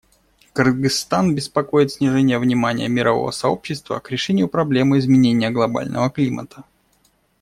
Кыргызстан беспокоит снижение внимания мирового сообщества к решению проблемы изменения глобального климата.